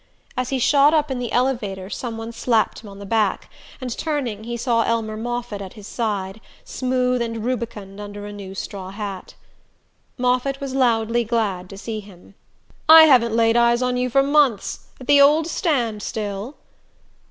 As he shot up in the elevator some one slapped him on the back, and turning he saw Elmer Moffatt at his side, smooth and rubicund under a new straw hat. Moffatt was loudly glad to see him. "I haven't laid eyes on you for months. At the old stand still?"